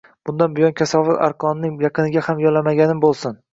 Bundan keyin kasofat aroqning yaqiniga ham yo`lamaganim bo`lsin